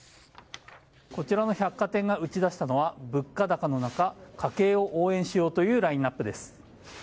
こちらの百貨店が打ち出したのは物価高の中、家計を応援しようというラインアップです。